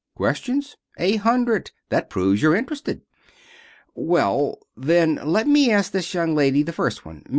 "Questions? A hundred. That proves you're interested." "Well, then, let me ask this young lady the first one.